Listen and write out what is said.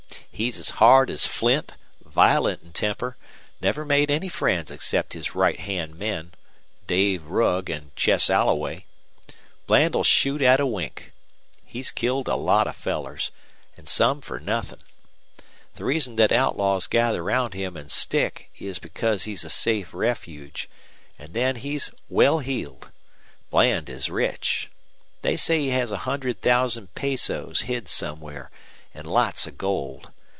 He's as hard as flint, violent in temper, never made any friends except his right hand men, Dave Rugg an' Chess Alloway. Bland'll shoot at a wink. He's killed a lot of fellers, an' some fer nothin'. The reason thet outlaws gather round him an' stick is because he's a safe refuge, an' then he's well heeled. Bland is rich. They say he has a hundred thousand pesos hid somewhere, an' lots of gold.